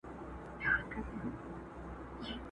گوندي وي چي یوه ورځ دي ژوند بهتر سي!!